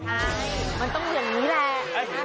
ใช่มันต้องอย่างนี้แหละ